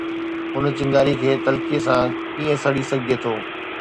اُن چنگاري کي تلخيءَ سان ڪيئن سڙي سگهجي ٿو؟